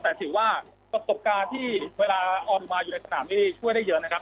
แต่ถือว่าประสบการณ์ที่เวลาออนอุมาอยู่ในสนามนี้ช่วยได้เยอะนะครับ